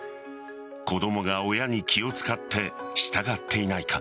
子供が親に気を使って従っていないか。